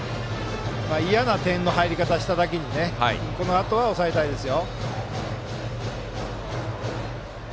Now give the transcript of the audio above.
嫌な点の入り方をしただけにこのあとは抑えたいです。